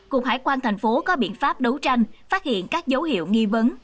cục hải quan thành phố có biện pháp đấu tranh phát hiện các dấu hiệu nghi vấn